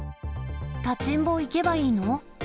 立ちんぼ行けばいいの？